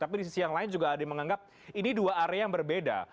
tapi di sisi yang lain juga ada yang menganggap ini dua area yang berbeda